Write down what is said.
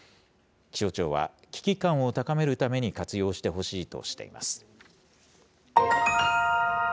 気象庁は危機感を高めるために活用してほしいとしています。